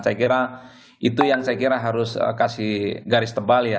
saya kira itu yang saya kira harus kasih garis tebal ya